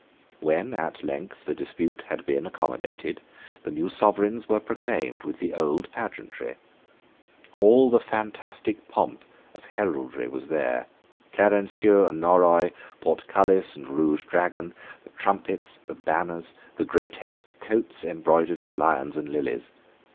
When at length the dispute had been accommodated, the new sovereigns were proclaimed with the old pageantry. All the fantastic pomp of heraldry was there, Clarencieux and Norroy, Portcullis and Rouge Dragon, the trumpets, the banners, the grotesque coats embroidered with lions and lilies.